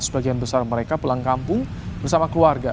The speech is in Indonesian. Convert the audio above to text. sebagian besar mereka pulang kampung bersama keluarga